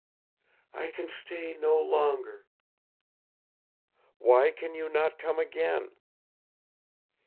"I can stay no longer." "Why can you not come again?"